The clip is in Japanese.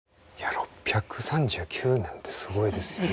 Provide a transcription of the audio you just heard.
６３９年ってすごいですよね。